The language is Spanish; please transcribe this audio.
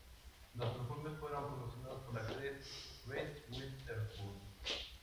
Los perfumes fueron promocionados por la actriz Reese Witherspoon.